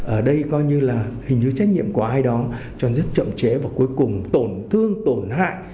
ở đây coi như là hình thức trách nhiệm của ai đó cho rất chậm chế và cuối cùng tổn thương tổn hại